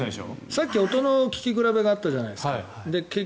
さっき音の聴き比べがあったじゃない。